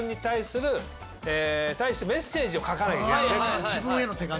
あ自分への手紙。